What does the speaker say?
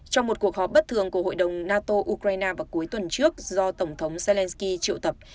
trong một cuộc họp bất thường của hội đồng nato ukraine vào cuối tuần trước do tổng thống zelensky triệu tập